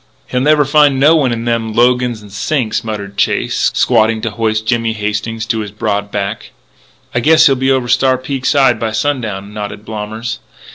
"He'll never find no one in them logans an' sinks," muttered Chase, squatting to hoist Jimmy Hastings to his broad back. "I guess he'll be over Star Peak side by sundown," nodded Blommers.